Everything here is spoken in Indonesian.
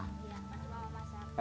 dibawa ke rumah